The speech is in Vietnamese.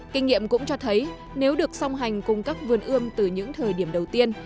kinh nghiệm cũng cho thấy nếu được song hành cùng các vườn ươm từ những thời điểm đầu tiên